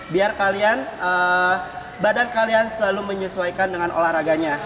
biar kalian badan kalian selalu menyesuaikan dengan olahraganya